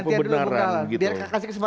ganti dulu bok omar